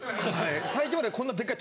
最近までこんなでっかい。